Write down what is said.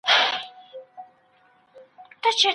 حکومتونه باید د بیان ازادۍ ته درناوی وکړي.